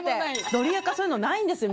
『ドリアカ』そういうのないんですよ